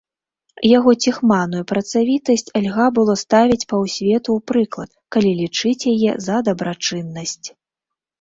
Яго ціхманую працавітасць льга было ставіць паўсвету ў прыклад, калі лічыць яе за дабрачыннасць.